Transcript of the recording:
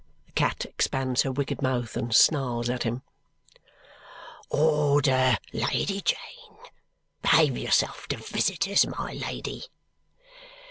The cat expands her wicked mouth and snarls at him. "Order, Lady Jane! Behave yourself to visitors, my lady!